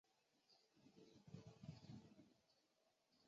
濑见温泉车站是一个仅设有一座侧式月台一条乘车线的小型车站。